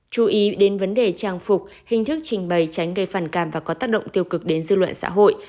chú ý đến vấn đề trang phục hình thức trình bày tránh gây phản cảm và có tác động tiêu cực đến dư luận xã hội